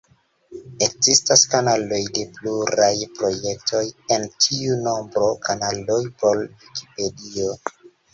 Ekzistas kanaloj de pluraj projektoj, en tiu nombro kanaloj por Vikipedio.